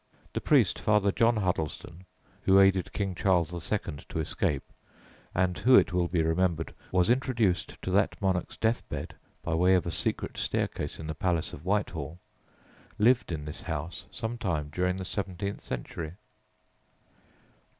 The priest, Father John Huddleston (who aided King Charles II. to escape, and who, it will be remembered, was introduced to that monarch's death bed by way of a secret staircase in the palace of Whitehall), lived in this house some time during the seventeenth century.